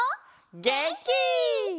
げんき！